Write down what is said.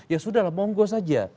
ya sudah lah monggo saja